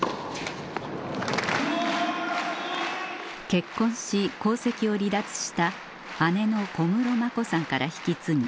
結婚し皇籍を離脱した姉の小室子さんから引き継ぎ